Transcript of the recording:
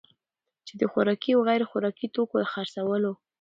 چي د خوراکي او غیر خوراکي توکو دخرڅولو